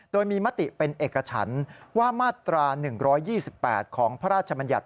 โดยมีมติเป็นเอกฉันว่ามาตรา๑๒๘ของพระราชมัญญัติ